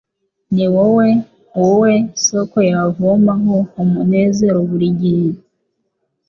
niwoe wowe soko yavomaho umunezero buri gihe.